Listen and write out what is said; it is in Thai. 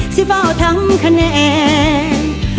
สิบเอาทำคะแนน